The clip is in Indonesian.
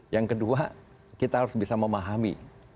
yang kedua kita harus bisa memahami